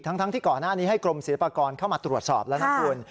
ทั้งที่ก่อนหน้านี้ให้กรมศิลปากรเข้ามาตรวจสอบแล้วนะคุณ